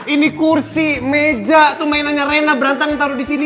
ini kursi meja tuh mainannya rena berantang taruh di sini